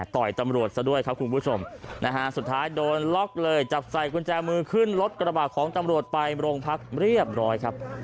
ต่อยตำรวจซะด้วยครับคุณผู้ชมนะฮะสุดท้ายโดนล็อกเลยจับใส่กุญแจมือขึ้นรถกระบาดของตำรวจไปโรงพักเรียบร้อยครับ